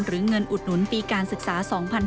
หรือเงินอุดหนุนปีการศึกษา๒๕๕๙